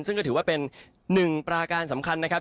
ซึ่งก็ถือว่าเป็นหนึ่งปราการสำคัญนะครับ